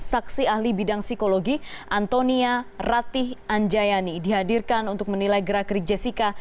saksi ahli bidang psikologi antonia ratih anjayani dihadirkan untuk menilai gerak gerik jessica